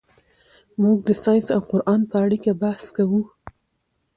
موږ د ساینس او قرآن په اړیکه بحث کوو.